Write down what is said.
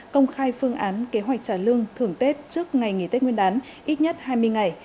công khai phương án kế hoạch trả lương thường tết trước ngày nghỉ tết nguyên đán ít nhất hai mươi ngày